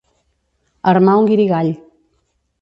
Armar un guirigall.